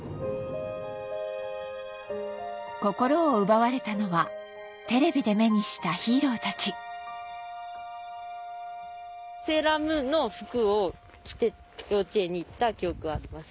心を奪われたのはテレビで目にしたヒーローたちセーラームーンの服を着て幼稚園に行った記憶はあります。